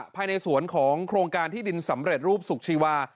ภายในสวนของโครงการที่ดินสำเร็จรูปสุขชีวา